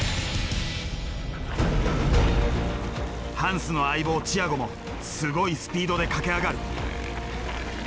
ハンスの相棒チアゴもすごいスピードで駆け上がる。